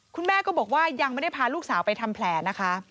คุณแม่ก็บอกว่ายังไม่ได้พาลูกสาวไปทำแผลนะคะ